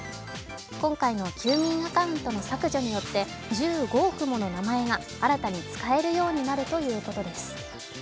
今回の休眠アカウントの削除によって、１５億もの名前が新たに使えるようになるということです。